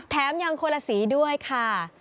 แท้มอย่างคนละสีด้วยค่ะ